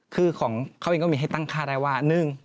คือของเขาเองก็มีให้ตั้งค่าได้ว่า